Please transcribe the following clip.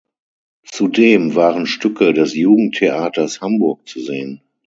Zudem waren Stücke des Jugendtheaters Hamburg zu sehen.